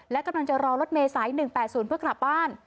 และกำลังจะรอรถเมษาย๑๘๐เพื่อกลับบ้าน